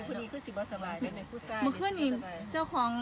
พี่ตุ๊กพี่หมูผ่าเจ้าของมา